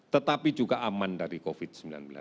tetapi juga aman dari covid sembilan belas